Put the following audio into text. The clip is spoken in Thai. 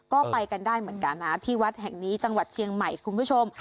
ก็ไปกันได้เหมือนกันนะที่วัดแห่งนี้จังหวัดเชียงใหม่คุณผู้ชม